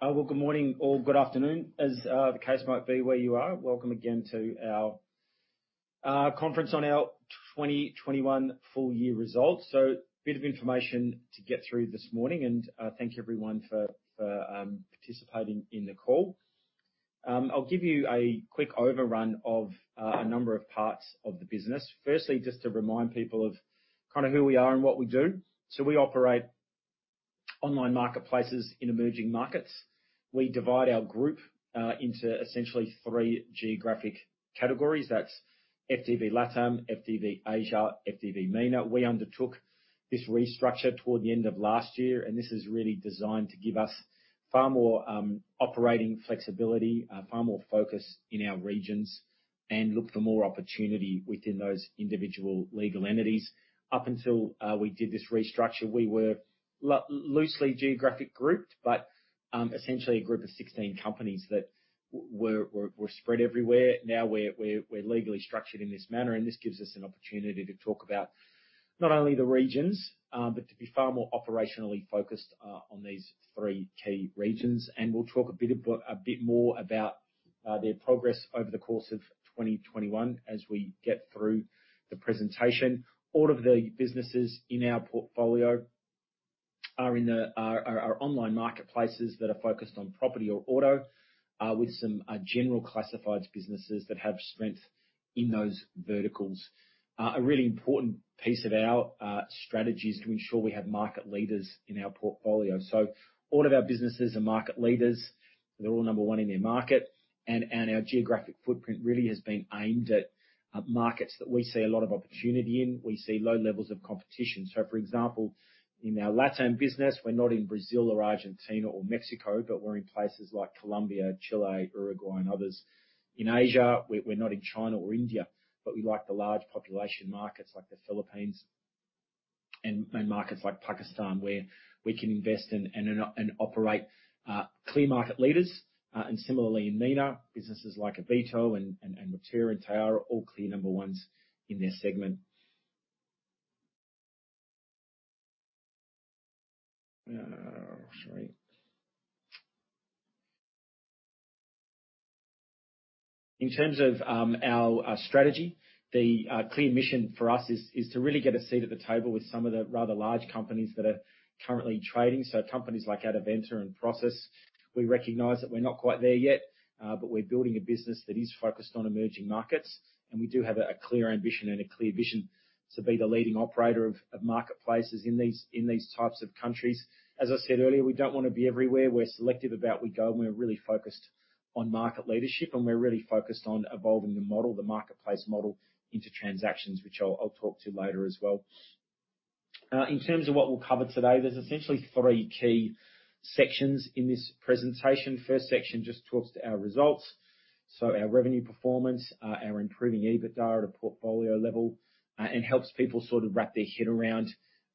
Good morning or good afternoon, as the case might be where you are. Welcome again to our conference on our 2021 full year results. A bit of information to get through this morning, and thank you everyone for participating in the call. I'll give you a quick overrun of a number of parts of the business. Firstly, just to remind people of kinda who we are and what we do. We operate online marketplaces in emerging markets. We divide our group into essentially three geographic categories. That's FDV LATAM, FDV Asia, FDV MENA. We undertook this restructure toward the end of last year, and this is really designed to give us far more operating flexibility, far more focus in our regions, and look for more opportunity within those individual legal entities. Up until we did this restructure, we were loosely geographically grouped, but essentially a group of 16 companies that were spread everywhere. Now we're legally structured in this manner, and this gives us an opportunity to talk about not only the regions, but to be far more operationally focused on these three key regions. We'll talk a bit more about their progress over the course of 2021 as we get through the presentation. All of the businesses in our portfolio are online marketplaces that are focused on property or auto, with some general classifieds businesses that have strength in those verticals. A really important piece of our strategy is to ensure we have market leaders in our portfolio. All of our businesses are market leaders. They're all number one in their market. Our geographic footprint really has been aimed at markets that we see a lot of opportunity in. We see low levels of competition. For example, in our LatAm business, we're not in Brazil or Argentina or Mexico, but we're in places like Colombia, Chile, Uruguay, and others. In Asia, we're not in China or India, but we like the large population markets like the Philippines and markets like Pakistan, where we can invest and operate clear market leaders. Similarly in MENA, businesses like Avito and Moteur and Tayara are all clear number ones in their segment. In terms of our strategy, the clear mission for us is to really get a seat at the table with some of the rather large companies that are currently trading, companies like Adevinta and Prosus. We recognize that we're not quite there yet, but we're building a business that is focused on emerging markets. We do have a clear ambition and a clear vision to be the leading operator of marketplaces in these types of countries. As I said earlier, we don't wanna be everywhere. We're selective about where we go, and we're really focused on market leadership, and we're really focused on evolving the model, the marketplace model, into transactions, which I'll talk to later as well. In terms of what we'll cover today, there's essentially three key sections in this presentation. First section just talks to our results. Our revenue performance, our improving EBITDA at a portfolio level, and helps people sort of wrap their head around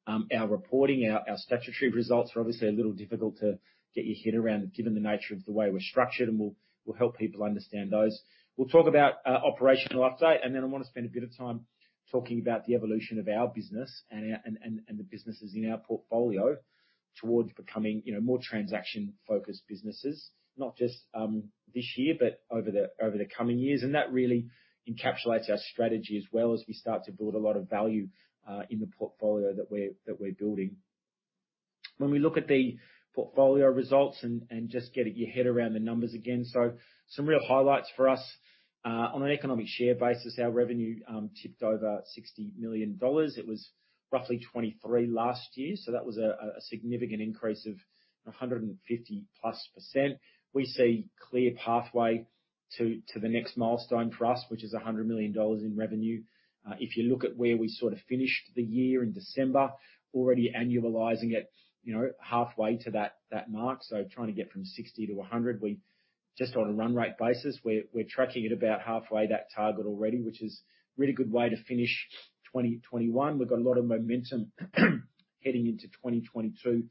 our reporting. Our statutory results are obviously a little difficult to get your head around given the nature of the way we're structured, and we'll help people understand those. We'll talk about our operational update, and then I wanna spend a bit of time talking about the evolution of our business and the businesses in our portfolio towards becoming, you know, more transaction-focused businesses. Not just this year, but over the coming years. That really encapsulates our strategy as well as we start to build a lot of value in the portfolio that we're building. When we look at the portfolio results and just get your head around the numbers again. Some real highlights for us. On an economic share basis, our revenue tipped over $60 million. It was roughly $23 million last year. That was a significant increase of 150%+. We see clear pathway to the next milestone for us, which is $100 million in revenue. If you look at where we sort of finished the year in December, already annualizing it, you know, halfway to that mark. Trying to get from $60 million to $100 million, just on a run rate basis, we're tracking at about halfway to that target already. Which is really good way to finish 2021. We've got a lot of momentum heading into 2022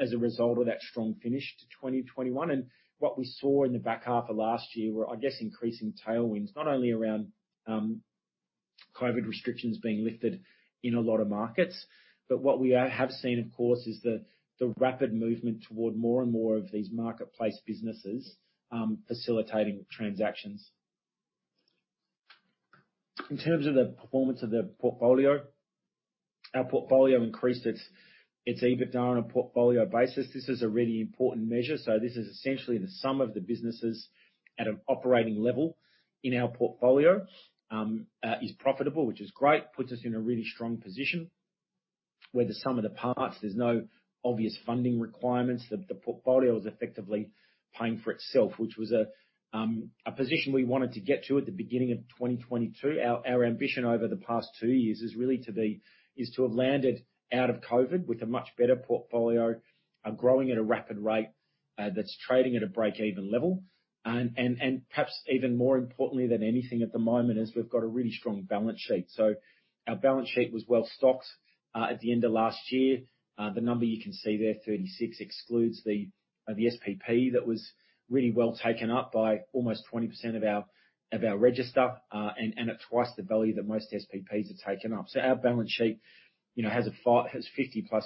as a result of that strong finish to 2021. What we saw in the back half of last year were, I guess, increasing tailwinds. Not only around COVID restrictions being lifted in a lot of markets, but what we have seen, of course, is the rapid movement toward more and more of these marketplace businesses facilitating transactions. In terms of the performance of the portfolio. Our portfolio increased its EBITDA on a portfolio basis. This is a really important measure. This is essentially the sum of the businesses at an operating level in our portfolio is profitable, which is great. Puts us in a really strong position where the sum of the parts, there's no obvious funding requirements. The portfolio is effectively paying for itself, which was a position we wanted to get to at the beginning of 2022. Our ambition over the past two years is to have landed out of COVID with a much better portfolio, growing at a rapid rate, that's trading at a break-even level. Perhaps even more importantly than anything at the moment is we've got a really strong balance sheet. Our balance sheet was well-stocked at the end of last year. The number you can see there, 36 million, excludes the SPP that was really well taken up by almost 20% of our register. And at twice the value that most SPPs are taken up. Our balance sheet, you know, has 50+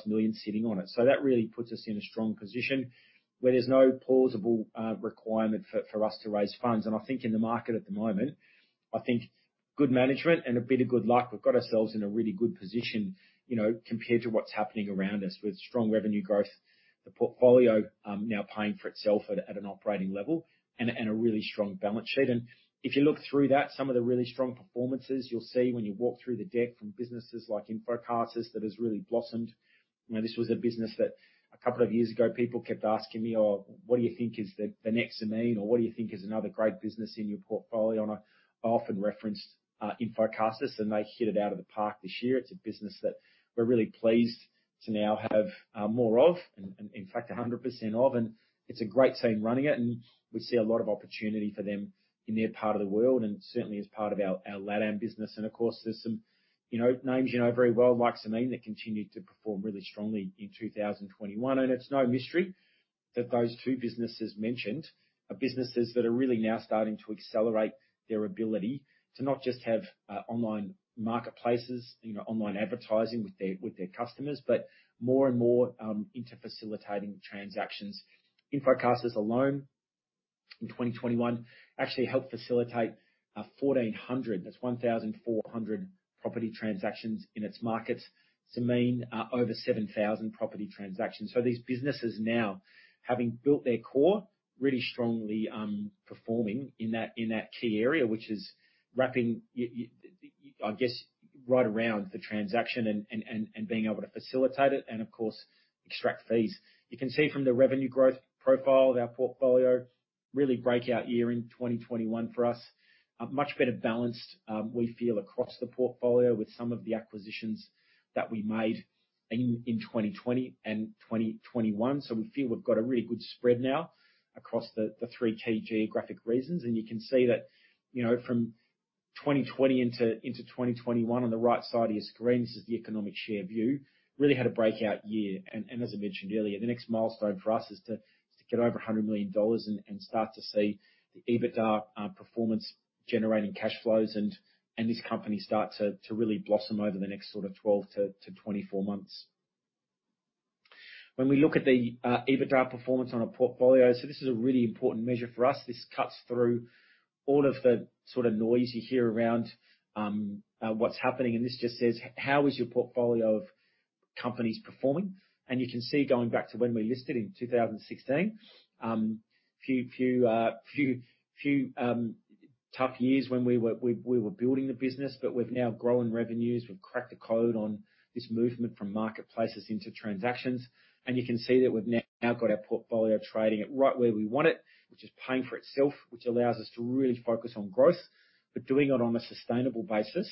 million sitting on it. That really puts us in a strong position where there's no plausible requirement for us to raise funds. I think in the market at the moment. Good management and a bit of good luck. We've got ourselves in a really good position, you know, compared to what's happening around us with strong revenue growth. The portfolio now paying for itself at an operating level and a really strong balance sheet. If you look through that, some of the really strong performances you'll see when you walk through the deck from businesses like InfoCasas that has really blossomed. You know, this was a business that a couple of years ago, people kept asking me, "Oh, what do you think is the next Zameen?" Or, "What do you think is another great business in your portfolio?" I often referenced InfoCasas, and they hit it out of the park this year. It's a business that we're really pleased to now have more of, and in fact, 100% of, and it's a great team running it, and we see a lot of opportunity for them in their part of the world and certainly as part of our LatAm business. Of course, there's some names you know very well, like Zameen, that continued to perform really strongly in 2021. It's no mystery that those two businesses mentioned are businesses that are really now starting to accelerate their ability to not just have online marketplaces, you know, online advertising with their customers, but more and more into facilitating transactions. InfoCasas alone in 2021 actually helped facilitate 1,400. That's 1,400 property transactions in its markets. Zameen over 7,000 property transactions. These businesses now, having built their core really strongly, performing in that key area, which is wrapping right around the transaction and being able to facilitate it and of course, extract fees. You can see from the revenue growth profile of our portfolio, really breakout year in 2021 for us. A much better balanced, we feel across the portfolio with some of the acquisitions that we made in 2020 and 2021. We feel we've got a really good spread now across the three key geographic regions. You can see that, you know, from 2020 into 2021 on the right side of your screen, this is the economic share view. Really had a breakout year. As I mentioned earlier, the next milestone for us is to get over $100 million and start to see the EBITDA performance generating cash flows and this company start to really blossom over the next sort of 12-24 months. When we look at the EBITDA performance on a portfolio. This is a really important measure for us. This cuts through all of the sort of noise you hear around what's happening, and this just says, "How is your portfolio of companies performing?" You can see going back to when we listed in 2016, few tough years when we were building the business, but we've now grown revenues. We've cracked the code on this movement from marketplaces into transactions. You can see that we've now got our portfolio trading at right where we want it, which is paying for itself, which allows us to really focus on growth, but doing it on a sustainable basis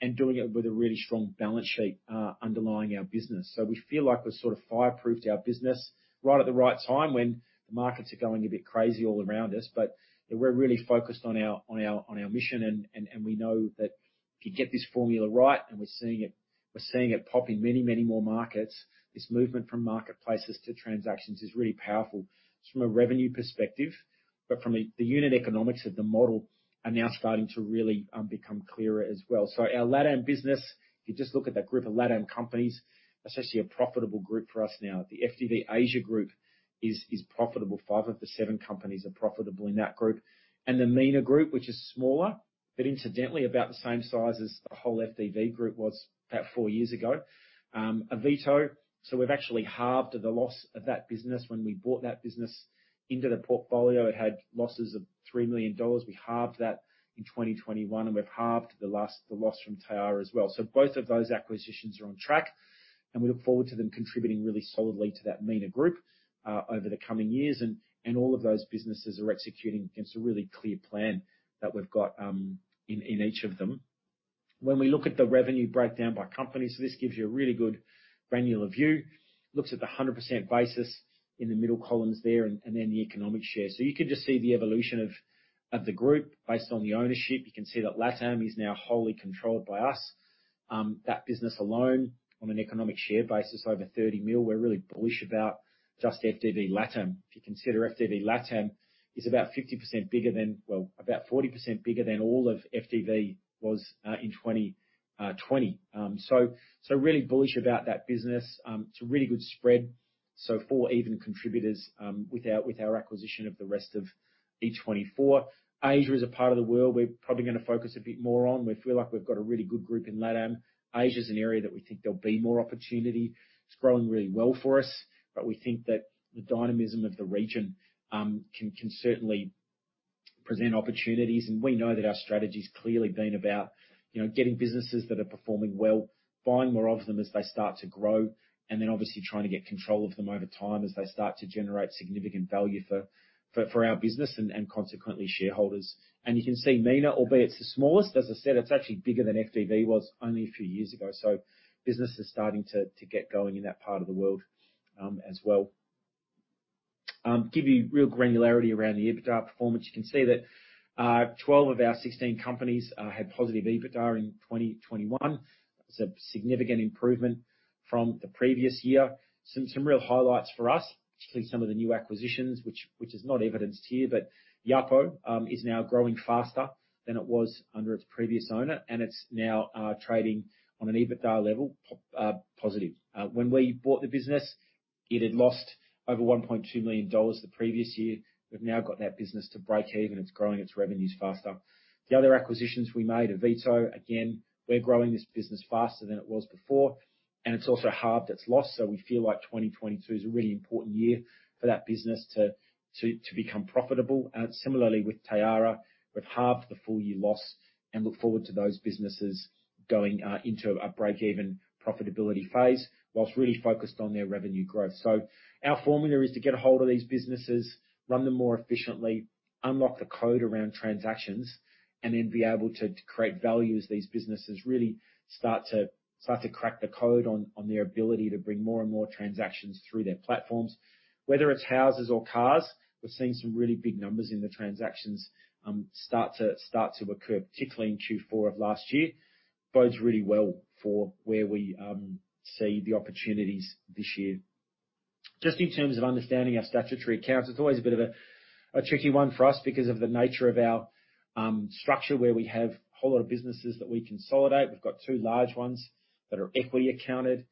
and doing it with a really strong balance sheet underlying our business. We feel like we've sort of fireproofed our business right at the right time when the markets are going a bit crazy all around us. You know, we're really focused on our mission and we know that if you get this formula right, and we're seeing it, we're seeing it pop in many, many more markets, this movement from marketplaces to transactions is really powerful from a revenue perspective. From the unit economics of the model are now starting to really become clearer as well. Our LatAm business, if you just look at that group of LatAm companies, that's actually a profitable group for us now. The FDV Asia group is profitable. 5 of the 7 companies are profitable in that group. The MENA group, which is smaller, but incidentally about the same size as the whole FDV group was about four years ago. Avito. We've actually halved the loss of that business. When we bought that business into the portfolio, it had losses of $3 million. We halved that in 2021, and we've halved the loss from Tayara as well. Both of those acquisitions are on track, and we look forward to them contributing really solidly to that MENA group over the coming years. All of those businesses are executing against a really clear plan that we've got in each of them. When we look at the revenue breakdown by companies, this gives you a really good granular view. It looks at the 100% basis in the middle columns there, and then the economic share. You can just see the evolution of the group based on the ownership. You can see that LatAm is now wholly controlled by us. That business alone on an economic share basis, over 30 million. We're really bullish about just FDV LatAm. If you consider FDV LatAm is about 50% bigger than well, about 40% bigger than all of FDV was in 2020. Really bullish about that business. It's a really good spread. Four key contributors with our acquisition of the rest of E24. Asia is a part of the world we're probably gonna focus a bit more on. We feel like we've got a really good group in LatAm. Asia's an area that we think there'll be more opportunity. It's growing really well for us. We think that the dynamism of the region can certainly present opportunities. We know that our strategy's clearly been about, you know, getting businesses that are performing well, buying more of them as they start to grow, and then obviously trying to get control of them over time as they start to generate significant value for our business and consequently shareholders. You can see MENA, albeit it's the smallest. As I said, it's actually bigger than FDV was only a few years ago, so business is starting to get going in that part of the world as well. Give you real granularity around the EBITDA performance. You can see that 12 of our 16 companies had positive EBITDA in 2021. That's a significant improvement from the previous year. Some real highlights for us, actually some of the new acquisitions, which is not evidenced here, but Yapo is now growing faster than it was under its previous owner, and it's now trading on an EBITDA level, positive. When we bought the business, it had lost over 1.2 million dollars the previous year. We've now got that business to break even. It's growing its revenues faster. The other acquisitions we made, Avito, again, we're growing this business faster than it was before, and it's also halved its loss. We feel like 2022 is a really important year for that business to become profitable. Similarly with Tayara, we've halved the full year loss and look forward to those businesses going into a break even profitability phase while really focused on their revenue growth. Our formula is to get a hold of these businesses, run them more efficiently, unlock the code around transactions, and then be able to create value as these businesses really start to crack the code on their ability to bring more and more transactions through their platforms. Whether it's houses or cars, we're seeing some really big numbers in the transactions start to occur, particularly in Q4 of last year. bodes really well for where we see the opportunities this year. Just in terms of understanding our statutory accounts, it's always a bit of a tricky one for us because of the nature of our structure, where we have a whole lot of businesses that we consolidate. We've got two large ones that are equity accounted.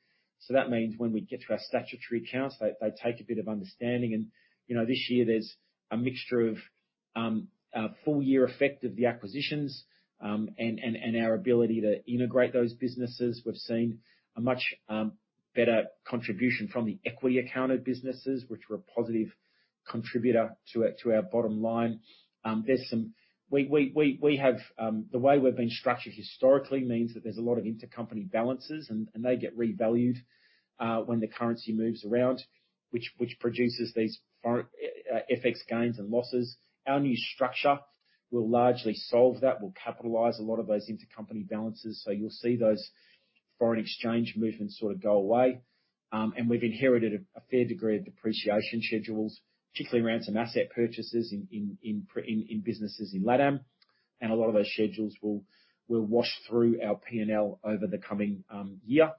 That means when we get to our statutory accounts, they take a bit of understanding. You know, this year there's a mixture of full year effect of the acquisitions and our ability to integrate those businesses. We've seen a much better contribution from the equity accounted businesses, which were a positive contributor to our bottom line. There's some. We have. The way we've been structured historically means that there's a lot of intercompany balances, and they get revalued when the currency moves around, which produces these FX gains and losses. Our new structure will largely solve that. We'll capitalize a lot of those intercompany balances, so you'll see those foreign exchange movements sort of go away. We've inherited a fair degree of depreciation schedules, particularly around some asset purchases in businesses in LATAM. A lot of those schedules will wash through our PNL over the coming year.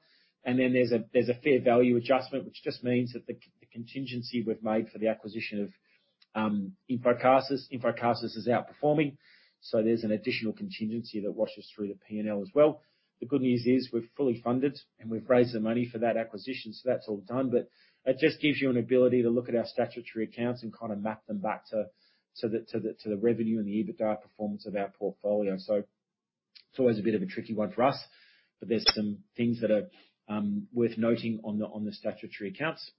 Then there's a fair value adjustment, which just means that the contingency we've made for the acquisition of InfoCasas. InfoCasas is outperforming, so there's an additional contingency that washes through the PNL as well. The good news is we're fully funded, and we've raised the money for that acquisition, so that's all done. That just gives you an ability to look at our statutory accounts and kinda map them back to the revenue and the EBITDA performance of our portfolio. It's always a bit of a tricky one for us, but there's some things that are worth noting on the statutory accounts.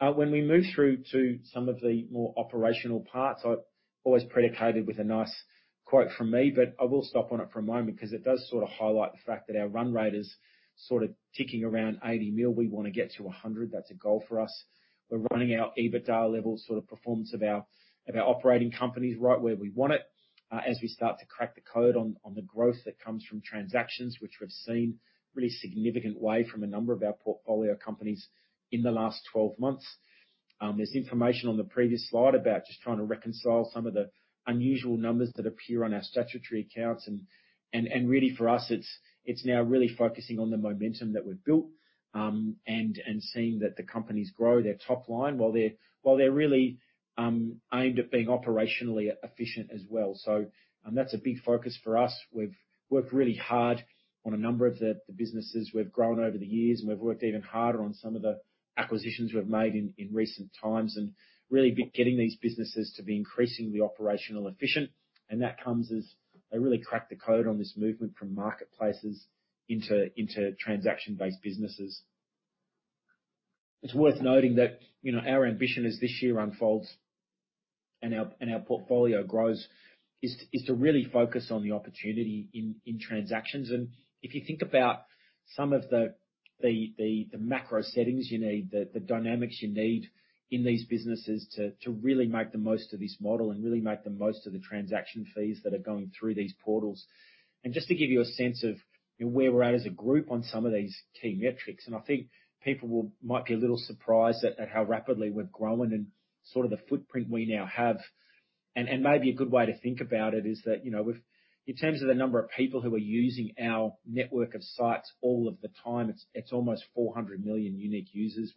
When we move through to some of the more operational parts, I always preface it with a nice quote from me, but I will stop on it for a moment 'cause it does sort of highlight the fact that our run rate is sort of ticking around 80 million. We wanna get to a hundred. That's a goal for us. We're running our EBITDA levels, sort of performance of our operating companies right where we want it, as we start to crack the code on the growth that comes from transactions, which we've seen really significant way from a number of our portfolio companies in the last 12 months. There's information on the previous slide about just trying to reconcile some of the unusual numbers that appear on our statutory accounts. Really for us, it's now really focusing on the momentum that we've built, and seeing that the companies grow their top line while they're really aimed at being operationally efficient as well. That's a big focus for us. We've worked really hard on a number of the businesses we've grown over the years, and we've worked even harder on some of the acquisitions we've made in recent times and really been getting these businesses to be increasingly operationally efficient. That comes as they really crack the code on this movement from marketplaces into transaction-based businesses. It's worth noting that, you know, our ambition as this year unfolds and our portfolio grows is to really focus on the opportunity in transactions. If you think about some of the macro settings you need, the dynamics you need in these businesses to really make the most of this model and really make the most of the transaction fees that are going through these portals. Just to give you a sense of where we're at as a group on some of these key metrics, and I think people might be a little surprised at how rapidly we're growing and sort of the footprint we now have. Maybe a good way to think about it is that, you know, in terms of the number of people who are using our network of sites all of the time, it's almost 400 million unique users.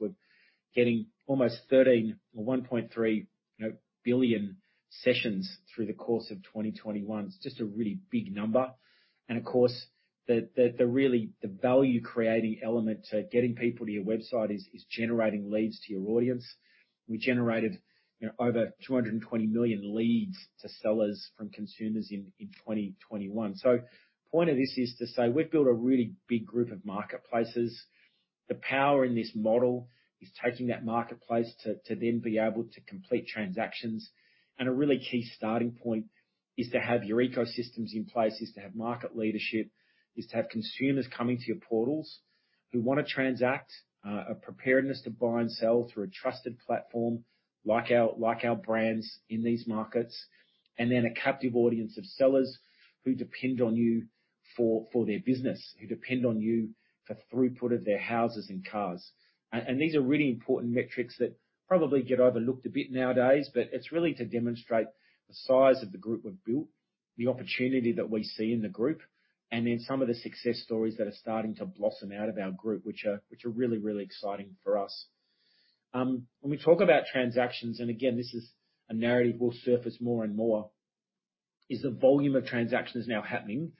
We're getting almost 13 or 1.3 billion sessions through the course of 2021. It's just a really big number. Of course, the value creating element to getting people to your website is generating leads to your audience. We generated, you know, over 220 million leads to sellers from consumers in 2021. Point of this is to say we've built a really big group of marketplaces. The power in this model is taking that marketplace to then be able to complete transactions. A really key starting point is to have your ecosystems in place, is to have market leadership, is to have consumers coming to your portals who wanna transact, a preparedness to buy and sell through a trusted platform like our brands in these markets. Then a captive audience of sellers who depend on you for their business, who depend on you for throughput of their houses and cars. These are really important metrics that probably get overlooked a bit nowadays, but it's really to demonstrate the size of the group we've built, the opportunity that we see in the group, and then some of the success stories that are starting to blossom out of our group, which are really exciting for us. When we talk about transactions, and again, this is a narrative that will surface more and more. It is the volume of transactions now happening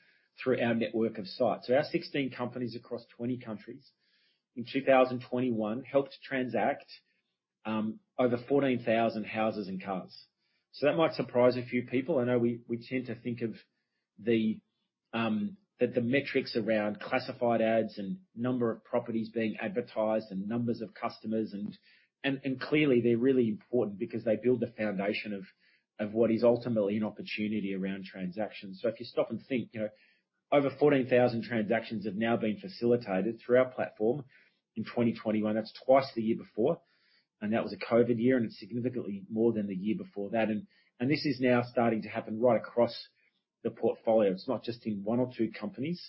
through our network of sites. Our 16 companies across 20 countries in 2021 helped transact over 14,000 houses and cars. That might surprise a few people. I know we tend to think that the metrics around classified ads and number of properties being advertised and numbers of customers and clearly they're really important because they build the foundation of what is ultimately an opportunity around transactions. If you stop and think, you know, over 14,000 transactions have now been facilitated through our platform in 2021. That's twice the year before, and that was a COVID year, and it's significantly more than the year before that. This is now starting to happen right across the portfolio. It's not just in one or two companies.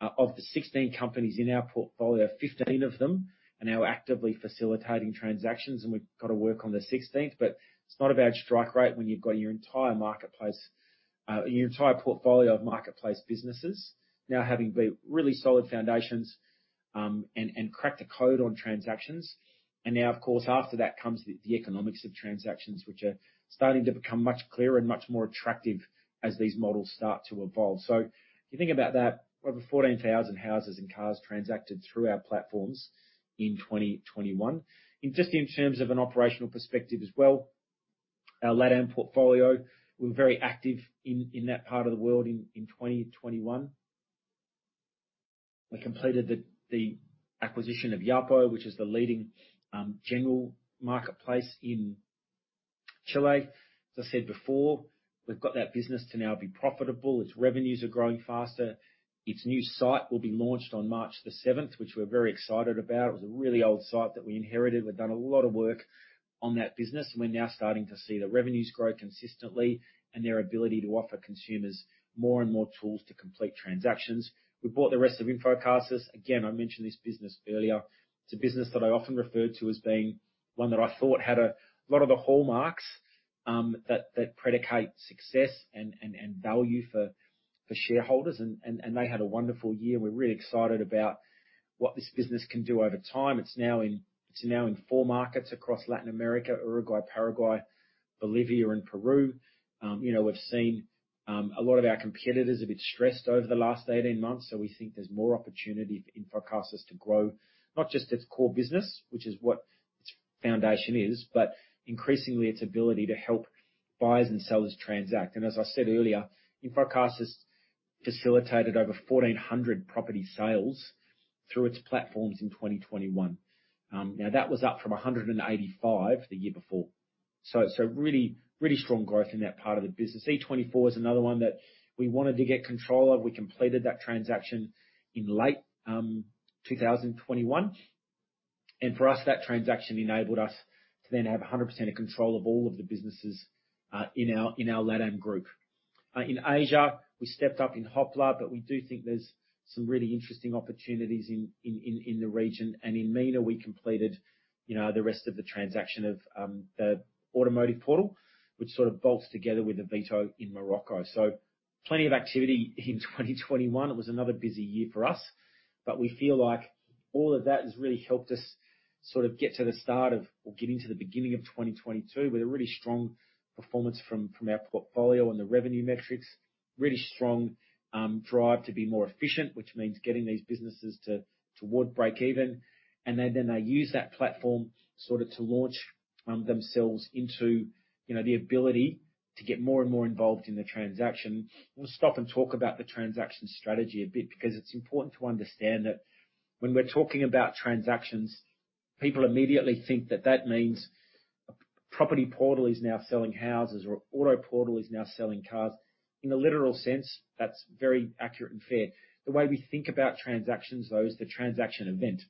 Of the 16 companies in our portfolio, 15 of them are now actively facilitating transactions, and we've got to work on the 16th. It's not a bad strike rate when you've got your entire marketplace, your entire portfolio of marketplace businesses now having built really solid foundations, and cracked the code on transactions. Now, of course, after that comes the economics of transactions, which are starting to become much clearer and much more attractive as these models start to evolve. If you think about that, over 14,000 houses and cars transacted through our platforms in 2021. Just in terms of an operational perspective as well, our LatAm portfolio, we're very active in that part of the world in 2021. We completed the acquisition of Yapo, which is the leading general marketplace in Chile. As I said before, we've got that business to now be profitable. Its revenues are growing faster. Its new site will be launched on March 7, which we're very excited about. It was a really old site that we inherited. We've done a lot of work on that business. We're now starting to see the revenues grow consistently and their ability to offer consumers more and more tools to complete transactions. We bought the rest of InfoCasas. Again, I mentioned this business earlier. It's a business that I often referred to as being one that I thought had a lot of the hallmarks that predicate success and value for shareholders. They had a wonderful year. We're really excited about what this business can do over time. It's now in four markets across Latin America, Uruguay, Paraguay, Bolivia and Peru. You know, we've seen a lot of our competitors a bit stressed over the last 18 months, so we think there's more opportunity for InfoCasas to grow, not just its core business, which is what its foundation is, but increasingly its ability to help buyers and sellers transact. As I said earlier, InfoCasas facilitated over 1,400 property sales through its platforms in 2021. Now that was up from 185 the year before. So really, really strong growth in that part of the business. E24 is another one that we wanted to get control of. We completed that transaction in late 2021. For us, that transaction enabled us to then have 100% of control of all of the businesses in our LatAm group. In Asia, we stepped up in Hoppler, but we do think there's some really interesting opportunities in the region. In MENA, we completed, you know, the rest of the transaction of the automotive portal, which sort of bolts together with the Avito in Morocco. Plenty of activity in 2021. It was another busy year for us. We feel like all of that has really helped us sort of getting to the beginning of 2022 with a really strong performance from our portfolio and the revenue metrics. Really strong drive to be more efficient, which means getting these businesses toward breakeven. Then they use that platform sort of to launch themselves into, you know, the ability to get more and more involved in the transaction. We'll stop and talk about the transaction strategy a bit because it's important to understand that when we're talking about transactions, people immediately think that that means a property portal is now selling houses or auto portal is now selling cars. In a literal sense, that's very accurate and fair. The way we think about transactions, though, is the transaction event.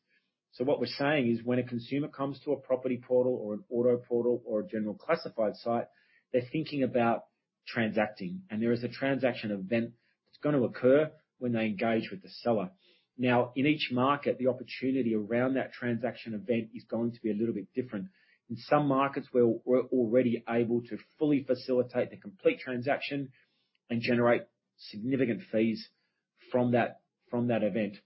What we're saying is when a consumer comes to a property portal or an auto portal or a general classified site, they're thinking about transacting. There is a transaction event that's gonna occur when they engage with the seller. Now, in each market, the opportunity around that transaction event is going to be a little bit different. In some markets, we're already able to fully facilitate the complete transaction and generate significant fees from that event.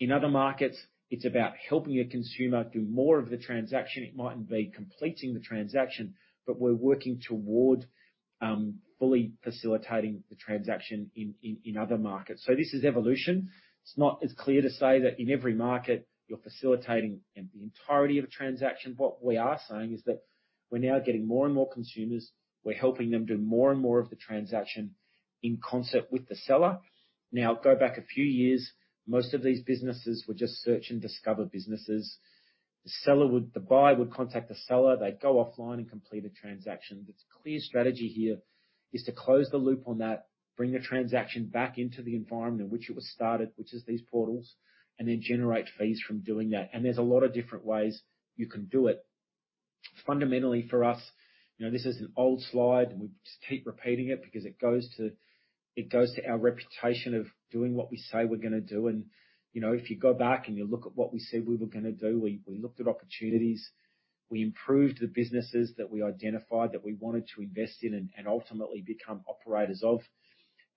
In other markets, it's about helping a consumer do more of the transaction. It mightn't be completing the transaction, but we're working toward fully facilitating the transaction in other markets. This is evolution. It's not as clear to say that in every market you're facilitating the entirety of a transaction. What we are saying is that we're now getting more and more consumers. We're helping them do more and more of the transaction in concert with the seller. Now, go back a few years, most of these businesses were just search-and-discover businesses. The buyer would contact the seller. They'd go offline and complete a transaction. The clear strategy here is to close the loop on that, bring the transaction back into the environment in which it was started, which is these portals, and then generate fees from doing that. There's a lot of different ways you can do it. Fundamentally, for us, you know, this is an old slide, and we just keep repeating it because it goes to our reputation of doing what we say we're gonna do. You know, if you go back and you look at what we said we were gonna do, we looked at opportunities. We improved the businesses that we identified that we wanted to invest in and ultimately become operators of.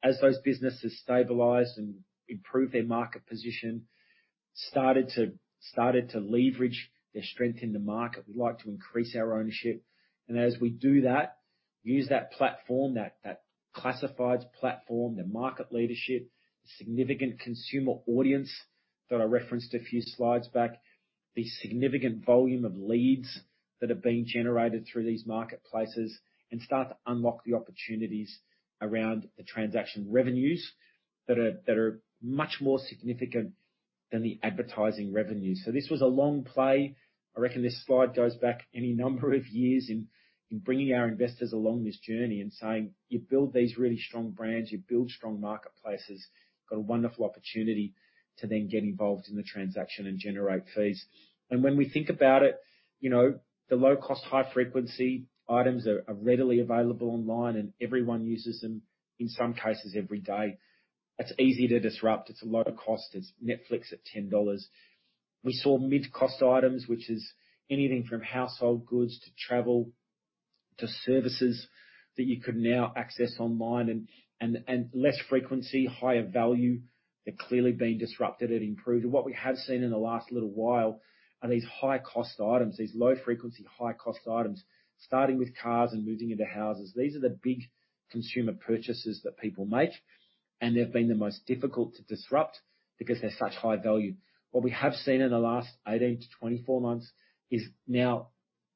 As those businesses stabilize and improve their market position, started to leverage their strength in the market, we'd like to increase our ownership. As we do that, use that platform, that classifieds platform, their market leadership, the significant consumer audience that I referenced a few slides back. The significant volume of leads that are being generated through these marketplaces, and start to unlock the opportunities around the transaction revenues that are much more significant than the advertising revenues. This was a long play. I reckon this slide goes back any number of years in bringing our investors along this journey and saying, "You build these really strong brands, you build strong marketplaces, you've got a wonderful opportunity to then get involved in the transaction and generate fees." When we think about it, you know, the low cost, high frequency items are readily available online and everyone uses them, in some cases every day. That's easy to disrupt. It's a low cost. It's Netflix at $10. We saw mid-cost items, which is anything from household goods to travel to services that you could now access online and less frequent, higher value. They're clearly being disrupted and improved. What we have seen in the last little while are these high-cost items, these low-frequency, high-cost items, starting with cars and moving into houses. These are the big consumer purchases that people make, and they've been the most difficult to disrupt because they're such high value. What we have seen in the last 18-24 months is now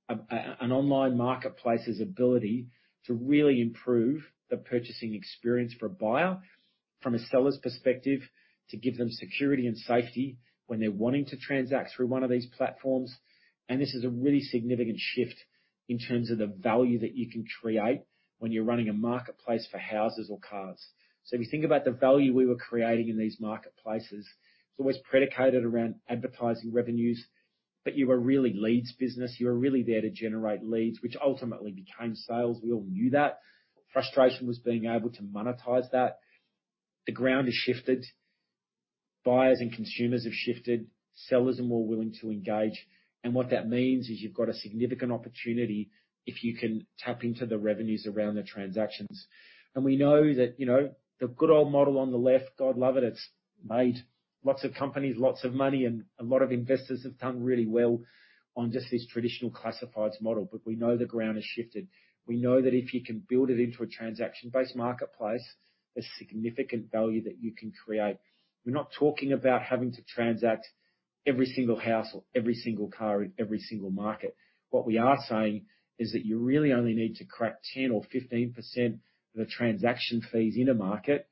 an online marketplace's ability to really improve the purchasing experience for a buyer from a seller's perspective, to give them security and safety when they're wanting to transact through one of these platforms. This is a really significant shift in terms of the value that you can create when you're running a marketplace for houses or cars. If you think about the value we were creating in these marketplaces, it's always predicated around advertising revenues, but you were really leads business. You were really there to generate leads, which ultimately became sales. We all knew that. Frustration was being able to monetize that. The ground has shifted. Buyers and consumers have shifted. Sellers are more willing to engage. What that means is you've got a significant opportunity if you can tap into the revenues around the transactions. We know that, you know, the good old model on the left, God love it's made lots of companies lots of money, and a lot of investors have done really well on just this traditional classifieds model. We know the ground has shifted. We know that if you can build it into a transaction-based marketplace, there's significant value that you can create. We're not talking about having to transact every single house or every single car in every single market. What we are saying is that you really only need to crack 10 or 15% of the transaction fees in a market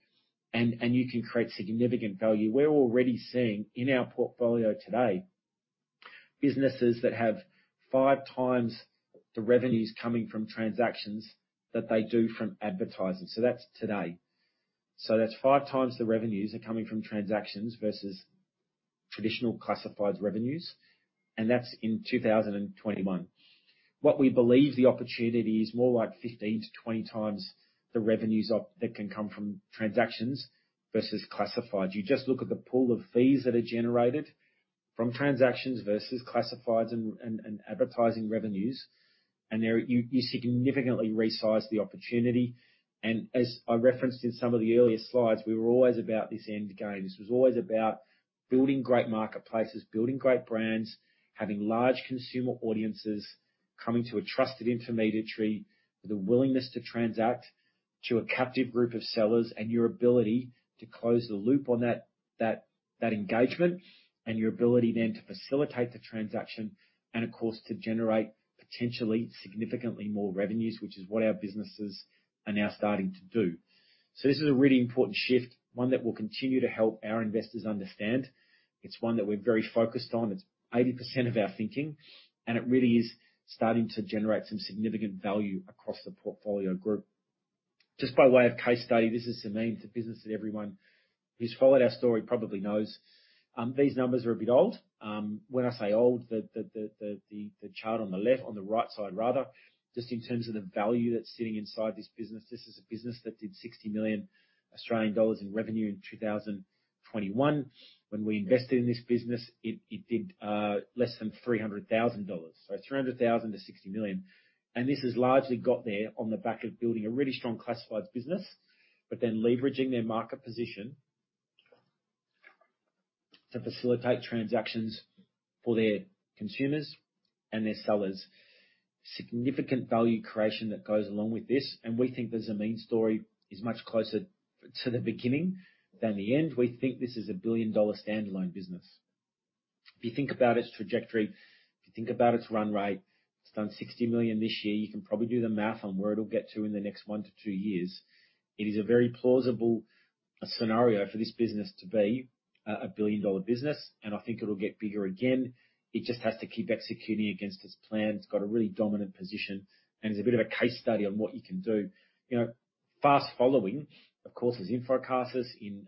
and you can create significant value. We're already seeing in our portfolio today, businesses that have 5 times the revenues coming from transactions than they do from advertising. That's today. That's 5 times the revenues are coming from transactions versus traditional classifieds revenues, and that's in 2021. What we believe the opportunity is more like 15 to 20 times the revenues that can come from transactions versus classifieds. You just look at the pool of fees that are generated from transactions versus classifieds and advertising revenues, and there you significantly resize the opportunity. As I referenced in some of the earlier slides, we were always about this end game. This was always about building great marketplaces, building great brands, having large consumer audiences, coming to a trusted intermediary with a willingness to transact to a captive group of sellers, and your ability to close the loop on that engagement, and your ability then to facilitate the transaction and of course, to generate potentially significantly more revenues, which is what our businesses are now starting to do. This is a really important shift, one that we'll continue to help our investors understand. It's one that we're very focused on. It's 80% of our thinking, and it really is starting to generate some significant value across the portfolio group. Just by way of case study, this is Zameen. It's a business that everyone who's followed our story probably knows. These numbers are a bit old. When I say old, the chart on the right side, rather, just in terms of the value that's sitting inside this business. This is a business that did 60 million Australian dollars in revenue in 2021. When we invested in this business, it did less than $300,000. Three hundred thousand to 60 million. This has largely got there on the back of building a really strong classifieds business, but then leveraging their market position to facilitate transactions for their consumers and their sellers. Significant value creation that goes along with this, and we think the Zameen story is much closer to the beginning than the end. We think this is a billion-dollar standalone business. If you think about its trajectory, if you think about its run rate, it's done 60 million this year. You can probably do the math on where it'll get to in the next one to two years. It is a very plausible scenario for this business to be a billion-dollar business, and I think it'll get bigger again. It just has to keep executing against its plan. It's got a really dominant position, and it's a bit of a case study on what you can do. You know, fast following, of course, is InfoCasas in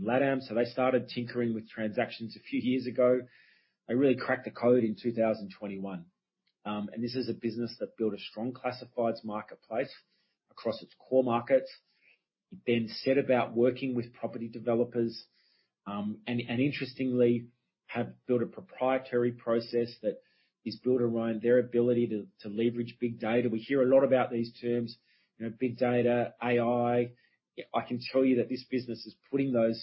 LatAm. They started tinkering with transactions a few years ago. They really cracked the code in 2021. This is a business that built a strong classifieds marketplace across its core markets. It then set about working with property developers, and interestingly, have built a proprietary process that is built around their ability to leverage big data. We hear a lot about these terms, you know, big data, AI. I can tell you that this business is putting those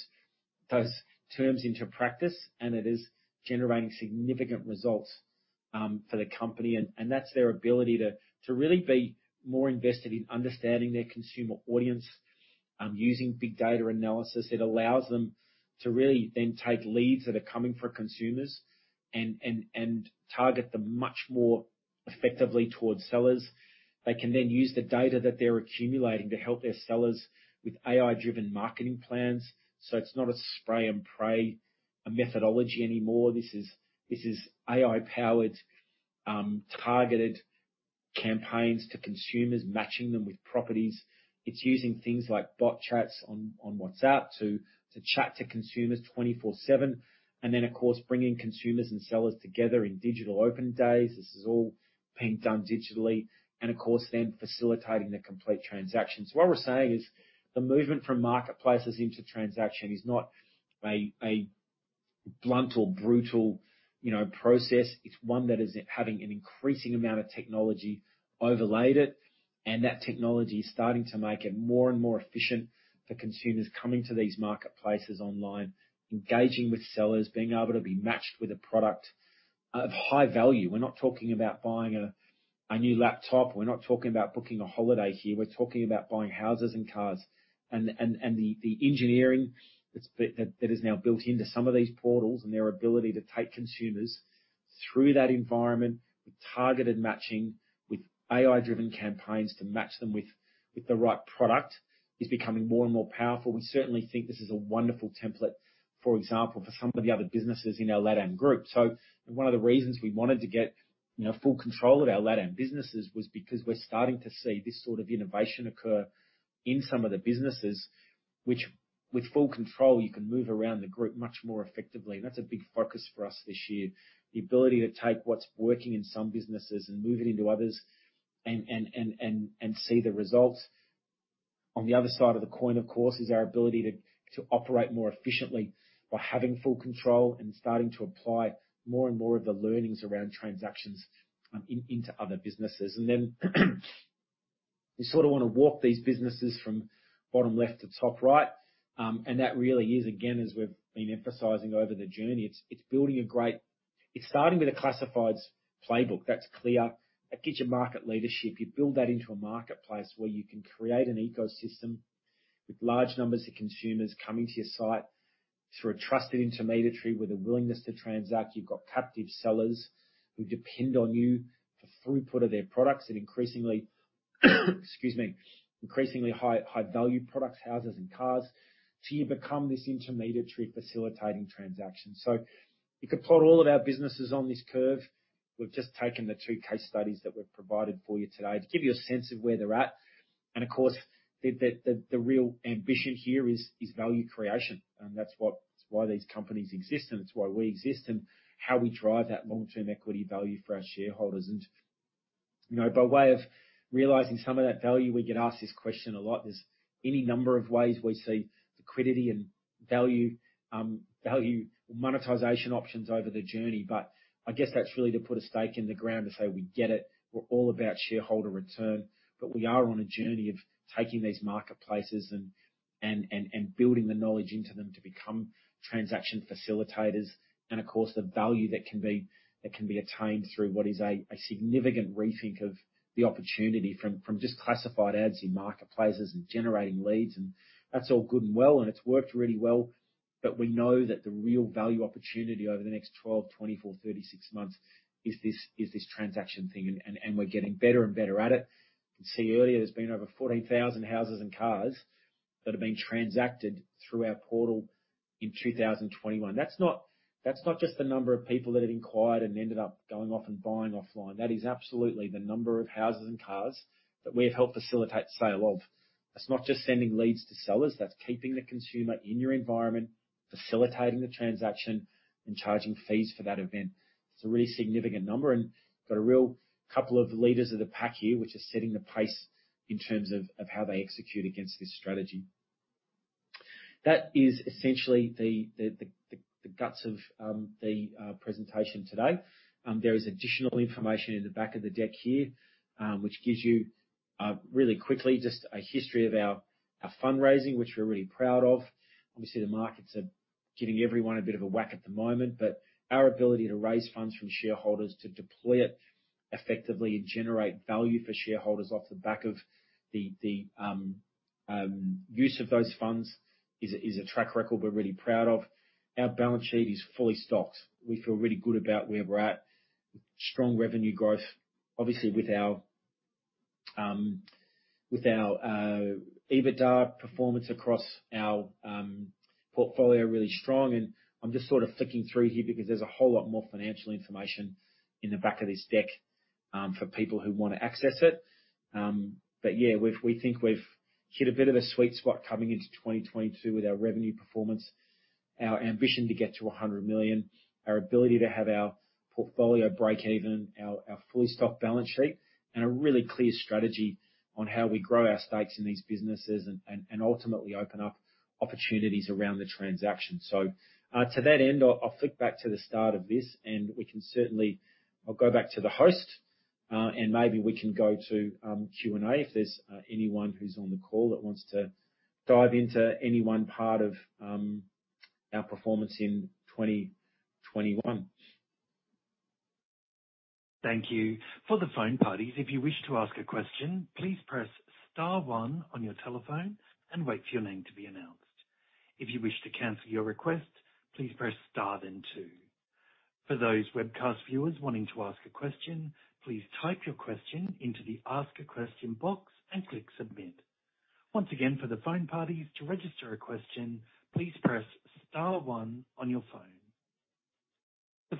terms into practice, and it is generating significant results for the company. That's their ability to really be more invested in understanding their consumer audience, using big data analysis. It allows them to really then take leads that are coming from consumers and target them much more effectively towards sellers. They can then use the data that they're accumulating to help their sellers with AI-driven marketing plans. It's not a spray and pray methodology anymore. This is AI-powered targeted campaigns to consumers, matching them with properties. It's using things like bot chats on WhatsApp to chat to consumers 24/7, and then, of course, bringing consumers and sellers together in digital open days. This is all being done digitally, of course, then facilitating the complete transaction. What we're saying is the movement from marketplaces into transaction is not a blunt or brutal, you know, process. It's one that is having an increasing amount of technology overlaid it, and that technology is starting to make it more and more efficient for consumers coming to these marketplaces online, engaging with sellers, being able to be matched with a product of high value. We're not talking about buying a new laptop. We're not talking about booking a holiday here. We're talking about buying houses and cars. The engineering that is now built into some of these portals and their ability to take consumers through that environment with targeted matching, with AI-driven campaigns to match them with the right product is becoming more and more powerful. We certainly think this is a wonderful template, for example, for some of the other businesses in our LatAm group. One of the reasons we wanted to get, you know, full control of our LatAm businesses was because we're starting to see this sort of innovation occur in some of the businesses, which with full control, you can move around the group much more effectively. That's a big focus for us this year. The ability to take what's working in some businesses and move it into others and see the results. On the other side of the coin, of course, is our ability to operate more efficiently by having full control and starting to apply more and more of the learnings around transactions into other businesses. You sort of wanna walk these businesses from bottom left to top right. That really is, again, as we've been emphasizing over the journey, it's building. It's starting with a classifieds playbook. That's clear. That gets you market leadership. You build that into a marketplace where you can create an ecosystem with large numbers of consumers coming to your site through a trusted intermediary with a willingness to transact. You've got captive sellers who depend on you for throughput of their products and increasingly excuse me high-value products, houses and cars, till you become this intermediary facilitating transactions. You could plot all of our businesses on this curve. We've just taken the two case studies that we've provided for you today to give you a sense of where they're at. Of course, the real ambition here is value creation. That's what, it's why these companies exist, and it's why we exist and how we drive that long-term equity value for our shareholders. You know, by way of realizing some of that value, we get asked this question a lot. There's any number of ways we see liquidity and value monetization options over the journey. I guess that's really to put a stake in the ground to say we get it, we're all about shareholder return. We are on a journey of taking these marketplaces and building the knowledge into them to become transaction facilitators. Of course, the value that can be attained through what is a significant rethink of the opportunity from just classified ads in marketplaces and generating leads. That's all good and well, and it's worked really well. We know that the real value opportunity over the next 12, 24, 36 months is this transaction thing. We're getting better and better at it. You can see earlier, there's been over 14,000 houses and cars that have been transacted through our portal in 2021. That's not just the number of people that have inquired and ended up going off and buying offline. That is absolutely the number of houses and cars that we have helped facilitate the sale of. That's not just sending leads to sellers. That's keeping the consumer in your environment, facilitating the transaction and charging fees for that event. It's a really significant number and got a real couple of leaders of the pack here, which are setting the pace in terms of how they execute against this strategy. That is essentially the guts of the presentation today. There is additional information in the back of the deck here, which gives you really quickly, just a history of our fundraising, which we're really proud of. Obviously, the markets are giving everyone a bit of a whack at the moment, but our ability to raise funds from shareholders to deploy it effectively and generate value for shareholders off the back of the use of those funds is a track record we're really proud of. Our balance sheet is fully stocked. We feel really good about where we're at. Strong revenue growth, obviously with our EBITDA performance across our portfolio really strong. I'm just sort of flicking through here because there's a whole lot more financial information in the back of this deck, for people who wanna access it. Yeah, we think we've hit a bit of a sweet spot coming into 2022 with our revenue performance, our ambition to get to 100 million, our ability to have our portfolio break even, our fully stocked balance sheet, and a really clear strategy on how we grow our stakes in these businesses and ultimately open up opportunities around the transaction. To that end, I'll flick back to the start of this and we can certainly I'll go back to the host. Maybe we can go to Q&A if there's anyone who's on the call that wants to dive into any one part of our performance in 2021.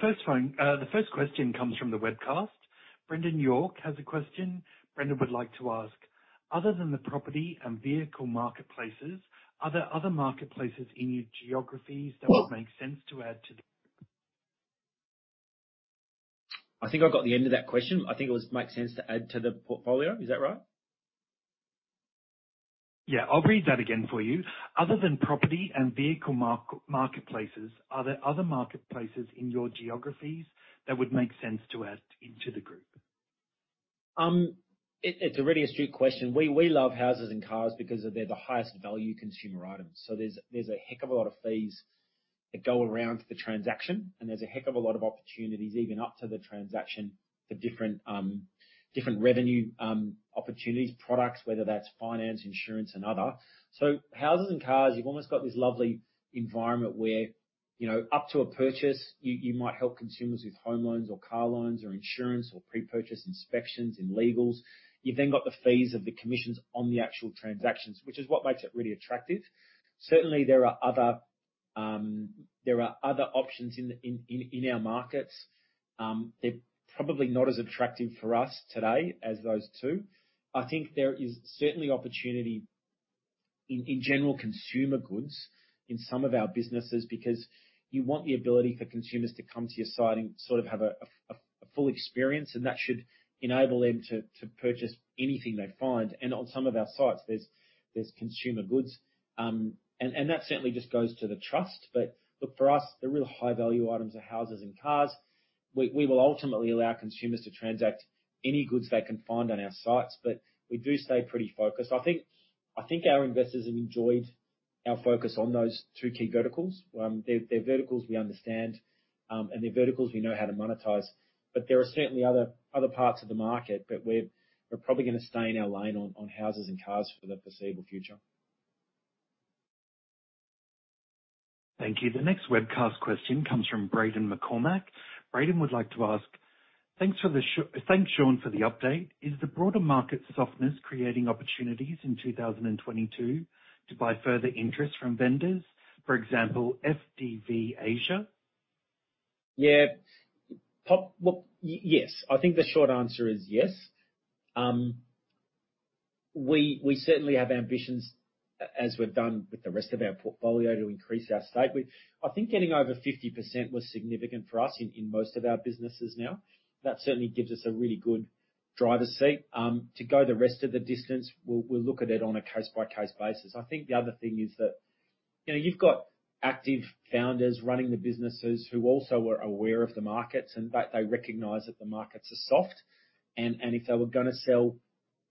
The first question comes from the webcast. Brendan York has a question. Brendan would like to ask, other than the property and vehicle marketplaces, are there other marketplaces in your geographies that would make sense to add to the? I think I got the end of that question. I think it was makes sense to add to the portfolio. Is that right? Yeah. I'll read that again for you. Other than property and vehicle marketplaces, are there other marketplaces in your geographies that would make sense to add into the group? It's a really astute question. We love houses and cars because they're the highest value consumer items. There's a heck of a lot of fees that go around the transaction, and there's a heck of a lot of opportunities even up to the transaction for different revenue opportunities, products, whether that's finance, insurance, and other. Houses and cars, you've almost got this lovely environment where, you know, up to a purchase, you might help consumers with home loans or car loans or insurance or pre-purchase inspections and legals. You've then got the fees of the commissions on the actual transactions, which is what makes it really attractive. Certainly, there are other options in our markets. They're probably not as attractive for us today as those two. I think there is certainly opportunity in general consumer goods in some of our businesses because you want the ability for consumers to come to your site and sort of have a full experience, and that should enable them to purchase anything they find. On some of our sites, there's consumer goods. That certainly just goes to the trust. Look, for us, the real high-value items are houses and cars. We will ultimately allow consumers to transact any goods they can find on our sites, but we do stay pretty focused. Our investors have enjoyed our focus on those two key verticals. They're verticals we understand, and they're verticals we know how to monetize. There are certainly other parts of the market, but we're probably gonna stay in our lane on houses and cars for the foreseeable future. Thank you. The next webcast question comes from Brayden McCormack. Brayden would like to ask: Thanks, Shaun, for the update. Is the broader market softness creating opportunities in 2022 to buy further interest from vendors, for example, FDV Asia? Well, yes. I think the short answer is yes. We certainly have ambitions, as we've done with the rest of our portfolio, to increase our stake. I think getting over 50% was significant for us in most of our businesses now. That certainly gives us a really good driver's seat. To go the rest of the distance, we'll look at it on a case-by-case basis. I think the other thing is that, you know, you've got active founders running the businesses who also are aware of the markets, and that they recognize that the markets are soft. If they were gonna sell,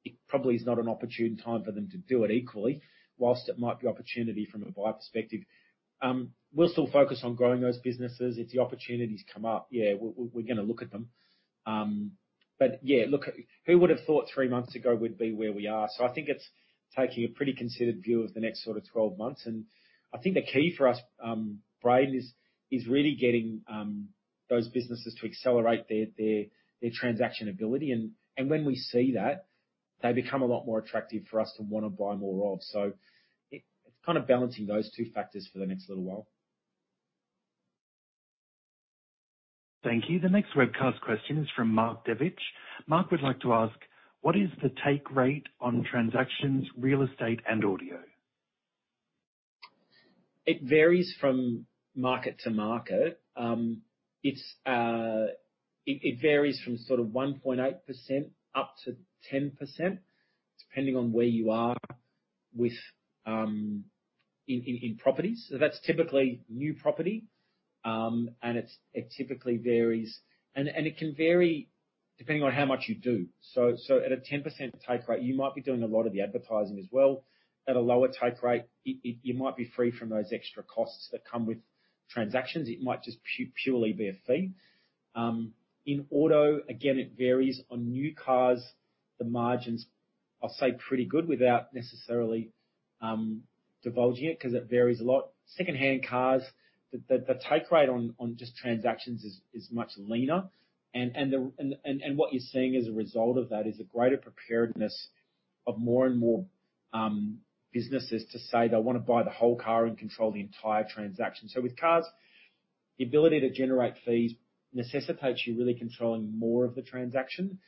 it probably is not an opportune time for them to do it equally, while it might be opportunity from a buyer perspective. We'll still focus on growing those businesses. If the opportunities come up, yeah, we're gonna look at them. Yeah. Look, who would have thought three months ago we'd be where we are? I think it's taking a pretty considered view of the next sort of 12 months. I think the key for us, Braden, is really getting those businesses to accelerate their transaction ability. When we see that, they become a lot more attractive for us to wanna buy more of. It's kinda balancing those two factors for the next little while. Thank you. The next webcast question is from Mark Devcich. Mark would like to ask: What is the take rate on transactions, real estate, and auto? It varies from market to market. It varies from sort of 1.8% up to 10%, depending on where you are with properties. That's typically new property. It typically varies. It can vary depending on how much you do. At a 10% take rate, you might be doing a lot of the advertising as well. At a lower take rate, you might be free from those extra costs that come with transactions. It might just purely be a fee. In auto, again, it varies. On new cars, the margins, I'll say pretty good without necessarily divulging it 'cause it varies a lot. Secondhand cars, the take rate on just transactions is much leaner. What you're seeing as a result of that is a greater preparedness of more and more businesses to say they wanna buy the whole car and control the entire transaction. With cars, the ability to generate fees necessitates you really controlling more of the transaction.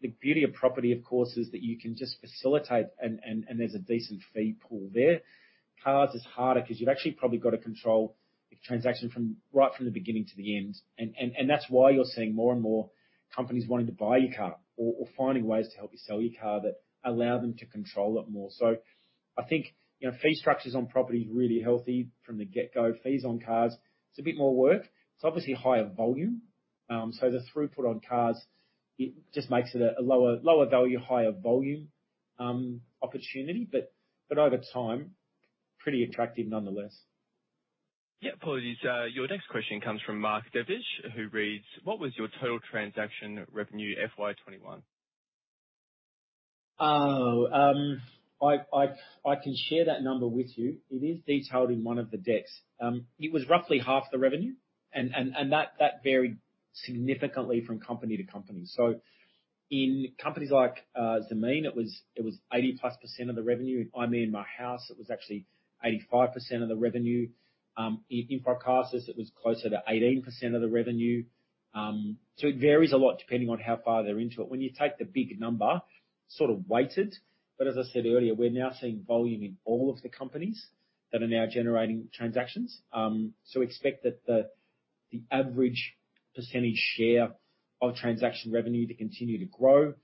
The beauty of property, of course, is that you can just facilitate and there's a decent fee pool there. Cars is harder 'cause you've actually probably gotta control the transaction from right from the beginning to the end. That's why you're seeing more and more companies wanting to buy your car or finding ways to help you sell your car that allow them to control it more. I think, you know, fee structures on property is really healthy from the get-go. Fees on cars, it's a bit more work. It's obviously higher volume. So the throughput on cars, it just makes it a lower value, higher volume opportunity, but over time, pretty attractive nonetheless. Yeah. Apologies. Your next question comes from Mark Devcich, who reads: What was your total transaction revenue FY 2021? I can share that number with you. It is detailed in one of the decks. It was roughly half the revenue. That varied significantly from company to company. In companies like Zameen, it was 80+% of the revenue. In iMyanmarHouse, it was actually 85% of the revenue. In InfoCasas, it was closer to 18% of the revenue. It varies a lot depending on how far they're into it. When you take the big number, sort of weighted, but as I said earlier, we're now seeing volume in all of the companies that are now generating transactions. Expect that the average percentage share of transaction revenue to continue to grow.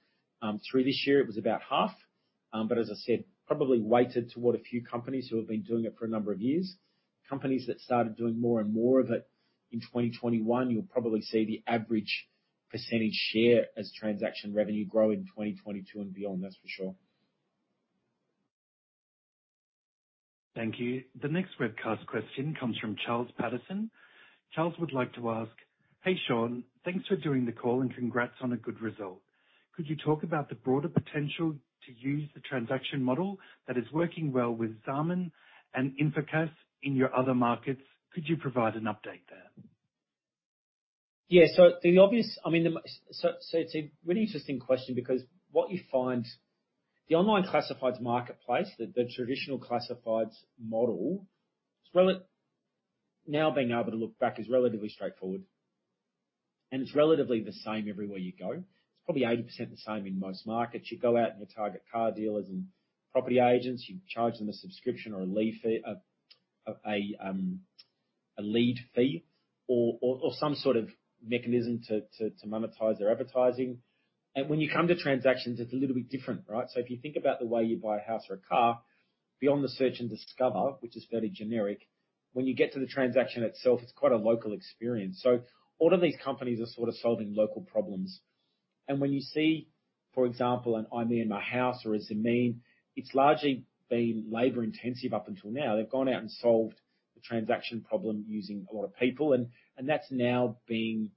Through this year it was about half. As I said, probably weighted toward a few companies who have been doing it for a number of years. Companies that started doing more and more of it in 2021, you'll probably see the average percentage share as transaction revenue grow in 2022 and beyond, that's for sure. Thank you. The next webcast question comes from Charles Patterson. Charles would like to ask: Hey, Shaun. Thanks for doing the call and congrats on a good result. Could you talk about the broader potential to use the transaction model that is working well with Zameen and InfoCasas in your other markets? Could you provide an update there? It's a really interesting question because what you find, the online classifieds marketplace, the traditional classifieds model, it's relatively straightforward. Now being able to look back, it's relatively the same everywhere you go. It's probably 80% the same in most markets. You go out and you target car dealers and property agents. You charge them a subscription or a lead fee or some sort of mechanism to monetize their advertising. When you come to transactions, it's a little bit different, right? If you think about the way you buy a house or a car, beyond the search and discover, which is fairly generic, when you get to the transaction itself, it's quite a local experience. All of these companies are sort of solving local problems. When you see, for example, in iMyanmarHouse or in Zameen, it's largely been labor-intensive up until now. They've gone out and solved the transaction problem using a lot of people and that's now being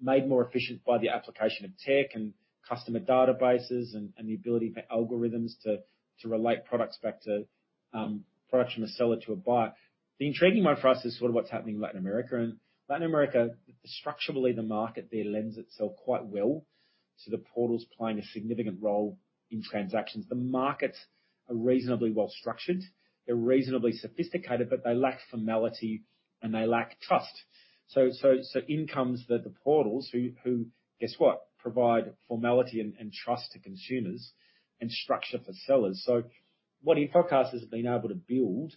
made more efficient by the application of tech and customer databases and the ability for algorithms to relate products back to a product from a seller to a buyer. The intriguing one for us is sort of what's happening in Latin America. Latin America, structurally, the market there lends itself quite well to the portals playing a significant role in transactions. The markets are reasonably well-structured, they're reasonably sophisticated, but they lack formality and they lack trust. In comes the portals who guess what provide formality and trust to consumers and structure for sellers. What InfoCasas has been able to build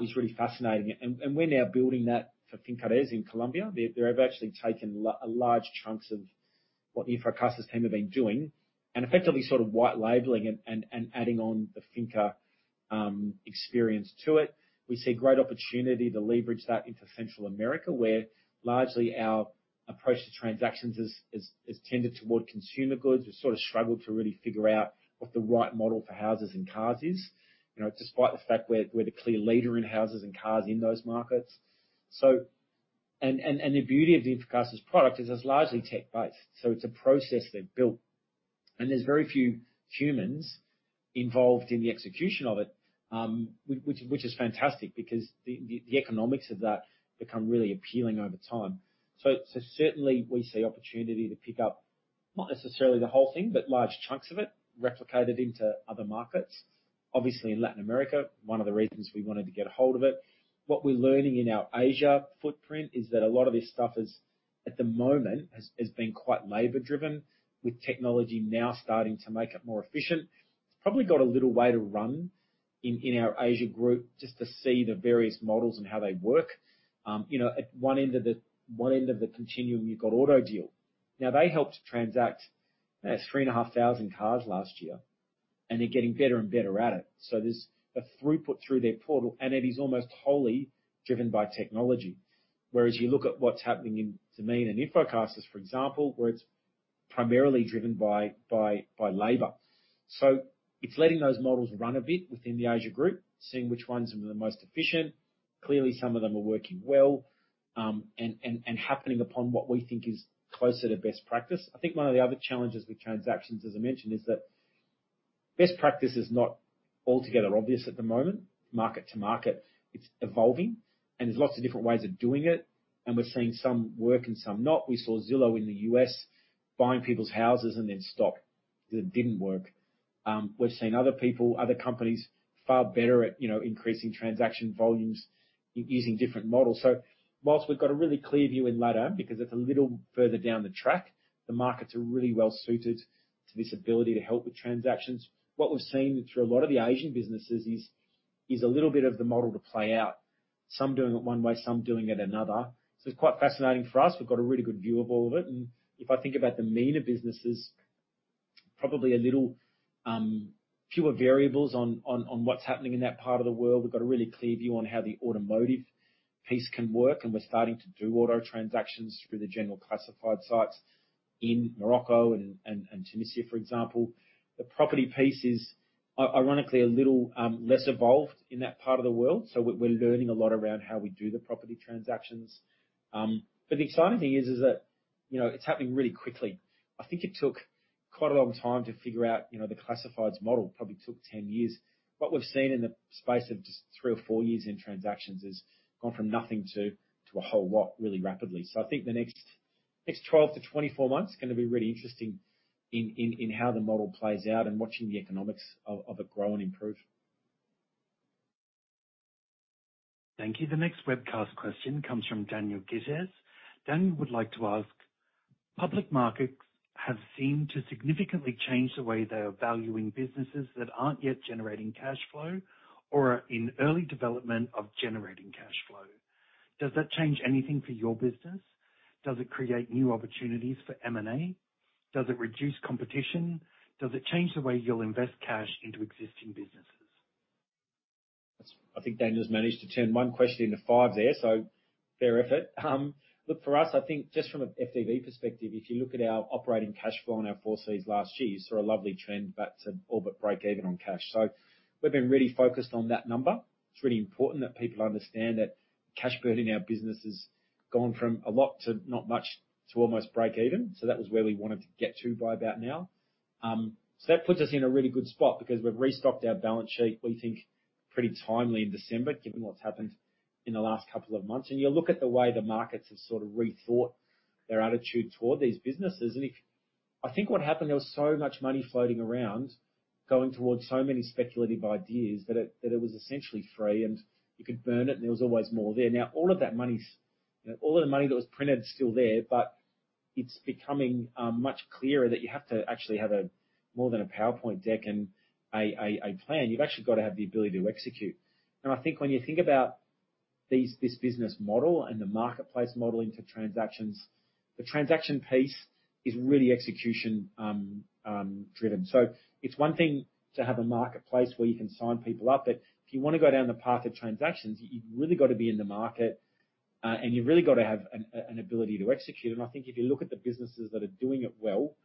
is really fascinating. We're now building that for Fincaraiz in Colombia. They have actually taken large chunks of what the InfoCasas team have been doing and effectively sort of white labeling and adding on the Fincaraiz experience to it. We see great opportunity to leverage that into Central America, where largely our approach to transactions has tended toward consumer goods. We've sort of struggled to really figure out what the right model for houses and cars is, you know, despite the fact we're the clear leader in houses and cars in those markets. The beauty of the InfoCasas product is it's largely tech-based, so it's a process they've built, and there's very few humans involved in the execution of it. Which is fantastic because the economics of that become really appealing over time. Certainly we see opportunity to pick up, not necessarily the whole thing, but large chunks of it replicated into other markets. Obviously, in Latin America, one of the reasons we wanted to get a hold of it. What we're learning in our Asia footprint is that a lot of this stuff is, at the moment has been quite labor-driven, with technology now starting to make it more efficient. It's probably got a little way to run in our Asia group just to see the various models and how they work. You know, at one end of the continuum, you've got AutoDeal. Now, they helped transact 3,500 cars last year, and they're getting better and better at it. There's a throughput through their portal, and it is almost wholly driven by technology. Whereas you look at what's happening in Zameen and InfoCasas, for example, where it's primarily driven by labor. It's letting those models run a bit within the Asia group, seeing which ones are the most efficient. Clearly, some of them are working well, and happening upon what we think is closer to best practice. I think one of the other challenges with transactions, as I mentioned, is that best practice is not altogether obvious at the moment. Market to market, it's evolving, and there's lots of different ways of doing it, and we're seeing some work and some not. We saw Zillow in the U.S. buying people's houses and then stop. It didn't work. We've seen other people, other companies far better at, you know, increasing transaction volumes using different models. Whilst we've got a really clear view in LatAm because it's a little further down the track, the markets are really well suited to this ability to help with transactions. What we've seen through a lot of the Asian businesses is a little bit of the model to play out. Some doing it one way, some doing it another. It's quite fascinating for us. We've got a really good view of all of it. If I think about the MENA businesses, probably a little fewer variables on what's happening in that part of the world. We've got a really clear view on how the automotive piece can work, and we're starting to do auto transactions through the general classified sites in Morocco and Tunisia, for example. The property piece is ironically a little less evolved in that part of the world, so we're learning a lot around how we do the property transactions. The exciting thing is that, you know, it's happening really quickly. I think it took quite a long time to figure out, you know, the classifieds model. Probably took 10 years. What we've seen in the space of just three or four years in transactions is gone from nothing to a whole lot really rapidly. I think the next 12-24 months gonna be really interesting in how the model plays out and watching the economics of it grow and improve. Thank you. The next webcast question comes from Daniel Gittus. Daniel would like to ask: Public markets have seemed to significantly change the way they are valuing businesses that aren't yet generating cash flow or are in early development of generating cash flow. Does that change anything for your business? Does it create new opportunities for M&A? Does it reduce competition? Does it change the way you'll invest cash into existing businesses? I think Daniel's managed to turn one question into five there, so fair effort. Look, for us, I think just from an FDV perspective, if you look at our operating cash flow on our Appendix 4C last year, you saw a lovely trend back to all but breakeven on cash. We've been really focused on that number. It's really important that people understand that cash burn in our business has gone from a lot to not much to almost breakeven. That was where we wanted to get to by about now. That puts us in a really good spot because we've restocked our balance sheet, we think pretty timely in December, given what's happened in the last couple of months. You look at the way the markets have sort of rethought their attitude toward these businesses. If I think what happened, there was so much money floating around going towards so many speculative ideas that it was essentially free, and you could burn it, and there was always more there. Now, all of the money that was printed is still there, but it's becoming much clearer that you have to actually have more than a PowerPoint deck and a plan. You've actually got to have the ability to execute. I think when you think about this business model and the marketplace model into transactions, the transaction piece is really execution driven. It's one thing to have a marketplace where you can sign people up, but if you wanna go down the path of transactions, you've really got to be in the market, and you've really got to have an ability to execute. I think if you look at the businesses that are doing it well,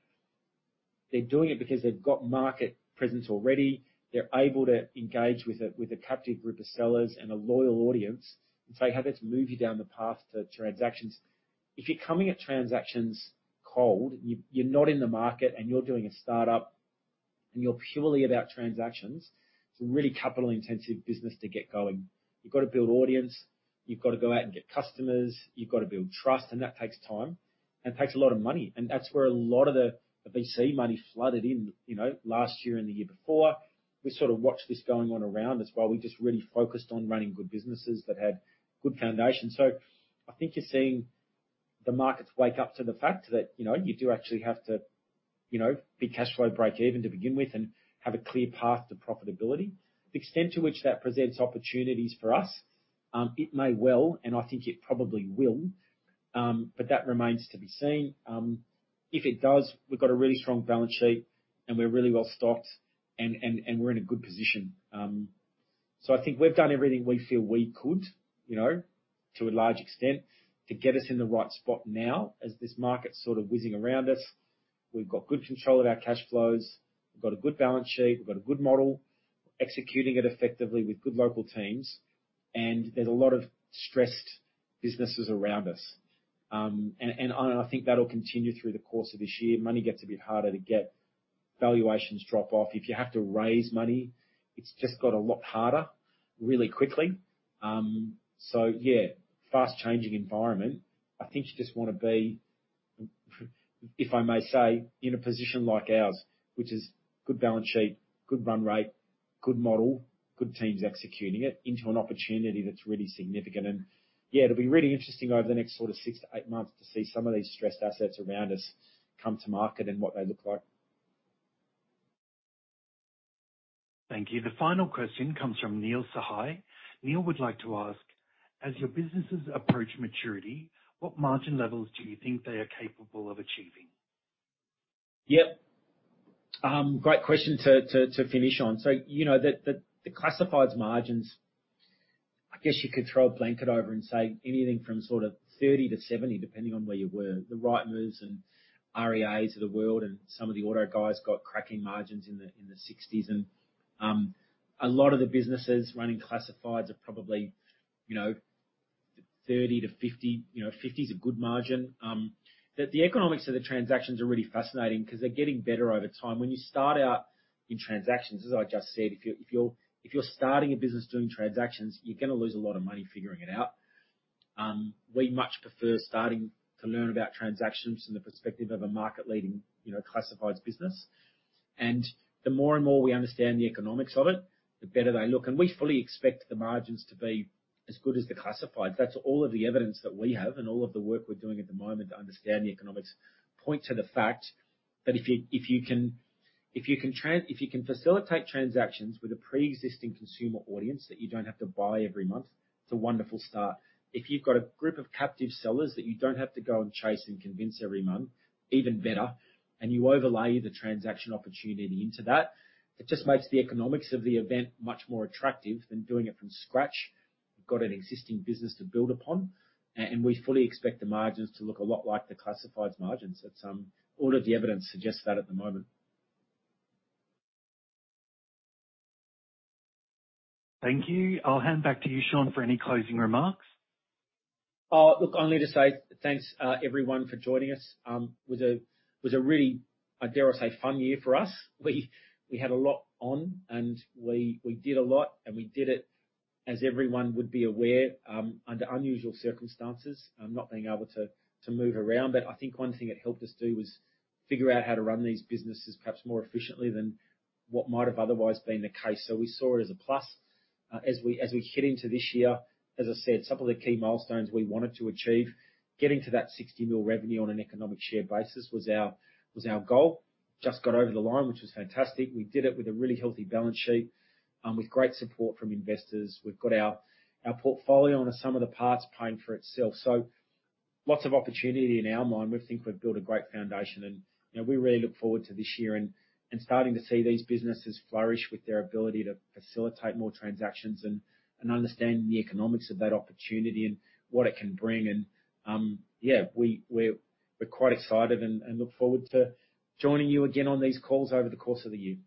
they're doing it because they've got market presence already. They're able to engage with a captive group of sellers and a loyal audience. You have this move you down the path to transactions. If you're coming at transactions cold, you're not in the market and you're doing a startup and you're purely about transactions, it's a really capital-intensive business to get going. You've got to build audience, you've got to go out and get customers, you've got to build trust. That takes time and takes a lot of money. That's where a lot of the VC money flooded in, you know, last year and the year before. We sort of watched this going on around us while we just really focused on running good businesses that had good foundations. I think you're seeing the markets wake up to the fact that, you know, you do actually have to, you know, be cash flow breakeven to begin with and have a clear path to profitability. The extent to which that presents opportunities for us, it may well, and I think it probably will, but that remains to be seen. If it does, we've got a really strong balance sheet, and we're really well-stocked, and we're in a good position. I think we've done everything we feel we could, you know, to a large extent to get us in the right spot now as this market's sort of whizzing around us. We've got good control of our cash flows. We've got a good balance sheet. We've got a good model. We're executing it effectively with good local teams. There's a lot of stressed businesses around us. I think that'll continue through the course of this year. Money gets a bit harder to get. Valuations drop off. If you have to raise money, it's just got a lot harder really quickly. Yeah, fast changing environment. I think you just wanna be, if I may say, in a position like ours, which is good balance sheet, good run rate, good model, good teams executing it into an opportunity that's really significant. Yeah, it'll be really interesting over the next sort of six to eight months to see some of these stressed assets around us come to market and what they look like. Thank you. The final question comes from Neil Sahai. Neil would like to ask: As your businesses approach maturity, what margin levels do you think they are capable of achieving? Yep. Great question to finish on. You know, the classifieds margins, I guess you could throw a blanket over and say anything from sort of 30%-70%, depending on where you were. The Rightmove's and REA's of the world and some of the auto guys got cracking margins in the 60s. A lot of the businesses running classifieds are probably, you know, 30%-50%. You know, 50% is a good margin. The economics of the transactions are really fascinating 'cause they're getting better over time. When you start out in transactions, as I just said, if you're starting a business doing transactions, you're gonna lose a lot of money figuring it out. We much prefer starting to learn about transactions from the perspective of a market-leading, you know, classifieds business. The more and more we understand the economics of it, the better they look. We fully expect the margins to be as good as the classified. That's all of the evidence that we have and all of the work we're doing at the moment to understand the economics point to the fact that if you can facilitate transactions with a preexisting consumer audience that you don't have to buy every month, it's a wonderful start. If you've got a group of captive sellers that you don't have to go and chase and convince every month, even better, and you overlay the transaction opportunity into that, it just makes the economics of the event much more attractive than doing it from scratch. You've got an existing business to build upon, and we fully expect the margins to look a lot like the classifieds margins. That's all of the evidence suggests that at the moment. Thank you. I'll hand back to you, Shaun, for any closing remarks. Oh, look, only to say thanks, everyone, for joining us. It was a really, I dare say, fun year for us. We had a lot on, and we did a lot, and we did it, as everyone would be aware, under unusual circumstances, not being able to move around. I think one thing it helped us do was figure out how to run these businesses perhaps more efficiently than what might have otherwise been the case. We saw it as a plus. As we head into this year, as I said, some of the key milestones we wanted to achieve, getting to that 60 million revenue on an economic share basis was our goal. Just got over the line, which was fantastic. We did it with a really healthy balance sheet, with great support from investors. We've got our portfolio and some of the parts paying for itself. Lots of opportunity in our mind. We think we've built a great foundation, and you know, we really look forward to this year and starting to see these businesses flourish with their ability to facilitate more transactions and understanding the economics of that opportunity and what it can bring. Yeah, we're quite excited and look forward to joining you again on these calls over the course of the year.